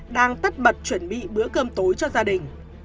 đang tất bật chuẩn bị bữa cơm tối cho gia đình